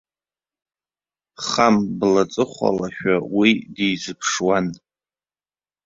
Хам блаҵыхәалашәа уи дизыԥшуан.